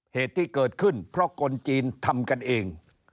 เหตุที่เกิดขึ้นเพราะคนจีนทำกันเอง